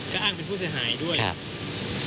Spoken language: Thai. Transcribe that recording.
ก็อ้างเป็นผู้เสียหายด้วยครับ